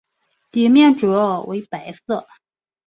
底面主要为白色。